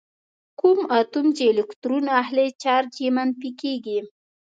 کوم اتوم چې الکترون اخلي چارج یې منفي کیږي.